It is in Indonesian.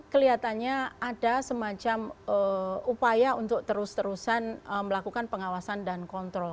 kelihatannya ada semacam upaya untuk terus terusan melakukan pengawasan dan kontrol